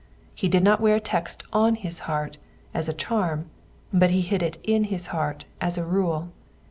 He did not wear a text on his heart as a charm, but he hid it in his heart as a rule.